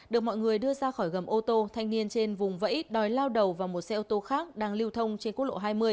được mọi người đưa ra khỏi gầm ô tô thanh niên trên vùng vẫy đòi lao đầu vào một xe ô tô khác đang lưu thông trên quốc lộ hai mươi